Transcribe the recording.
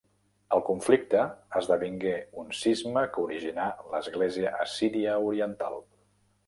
El conflicte esdevingué un cisma que originà l'Església Assíria Oriental.